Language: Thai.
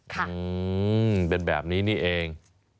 อืมเป็นแบบนี้นี่เอง